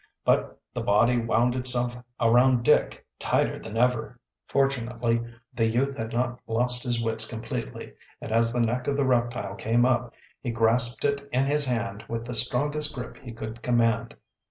But the body wound itself around Dick tighter than ever. Fortunately the youth had not lost his wits completely, and as the neck of the reptile came up, he grasped it in his hand with the strongest grip he could command.